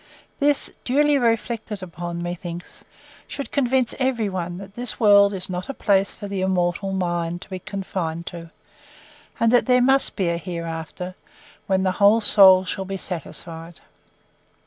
This, duly reflected upon, methinks, should convince every one, that this world is not a place for the immortal mind to be confined to; and that there must be an hereafter, where the whole soul shall be satisfied.